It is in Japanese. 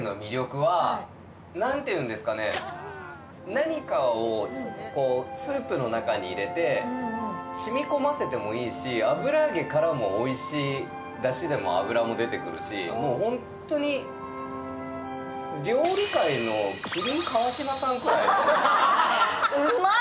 何かをスープの中に入れて染み込ませてもいいし、油揚げからもおいしいだしでも油も出てくるし、ホントに料理界の麒麟・川島さんなんじゃない。